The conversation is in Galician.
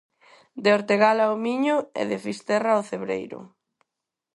De Ortegal ao Miño e de Fisterra ao Cebreiro.